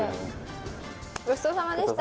ごちそうさまでした。